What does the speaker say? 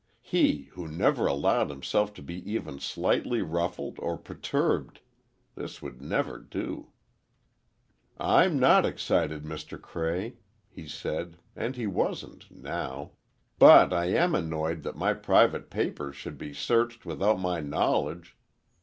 He, who never allowed himself to be even slightly ruffled or perturbed! This would never do! "I'm not excited, Mr. Cray," he said, and he wasn't, now, "but I am annoyed that my private papers should be searched without my knowledge.